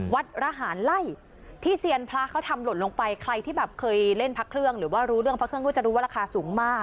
ระหารไล่ที่เซียนพระเขาทำหล่นลงไปใครที่แบบเคยเล่นพระเครื่องหรือว่ารู้เรื่องพระเครื่องก็จะรู้ว่าราคาสูงมาก